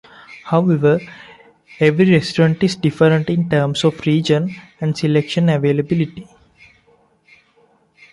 However, every restaurant is different in terms of region and selection availability.